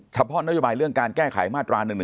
เฉพาะนโยบายเรื่องการแก้ไขมาตรา๑๑๒